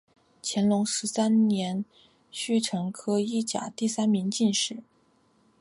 乾隆十三年戊辰科一甲第三名进士。